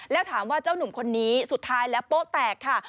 แล้วถามว่าเจ้านุ่มคนนี้สุดท้ายแล้วโป๊ะแตกค่ะ